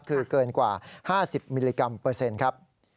คือเกินกว่า๕๐มิลลิกรัมเปอร์เซ็นต์ครับ